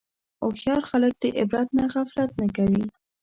هوښیار خلک د عبرت نه غفلت نه کوي.